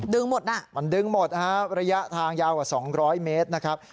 ดึงหมดนะครับระยะทางยาวกว่า๒๐๐เมตรนะครับ